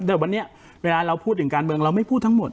แต่วันนี้เวลาเราพูดถึงการเมืองเราไม่พูดทั้งหมด